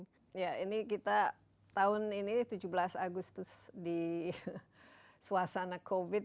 ya ini kita tahun ini tujuh belas agustus di suasana covid